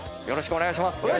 よろしくお願いします